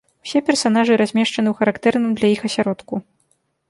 Усе персанажы размешчаны ў характэрным для іх асяродку.